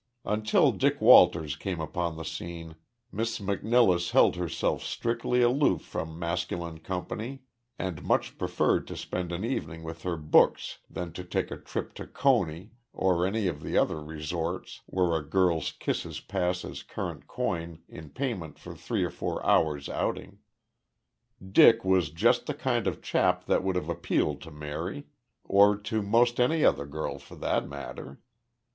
Until Dick Walters came upon the scene, Miss McNilless held herself strictly aloof from masculine company and much preferred to spend an evening with her books than to take a trip to Coney or any of the other resorts where a girl's kisses pass as current coin in payment for three or four hours' outing. "Dick was just the kind of chap that would have appealed to Mary, or to 'most any other girl, for that matter.